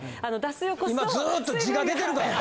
今ずっと字が出てるからね。